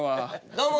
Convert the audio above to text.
どうも。